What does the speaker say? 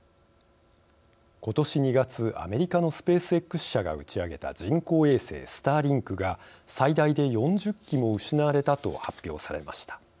ことし２月、アメリカのスペースＸ社が打ち上げた人工衛星スターリンクが最大で４０基も失われたと発表されました。